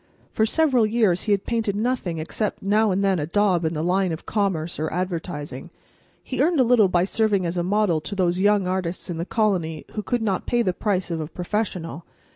For several years he had painted nothing except now and then a daub in the line of commerce or advertising. He earned a little by serving as a model to those young artists in the colony who could not pay the price of a professional.